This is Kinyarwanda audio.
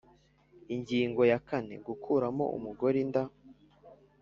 Ingingo ya kane Gukuramo umugore inda